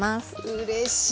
うれしい。